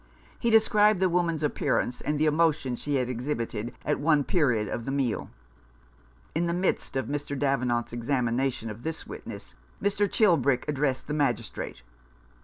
He described the woman's appearance, and the emotion she had exhibited at one period of the meal. In the midst of Mr. Davenant's examination of this witness Mr. Chilbrick addressed the Magis trate.